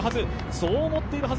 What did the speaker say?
そう思っているはず。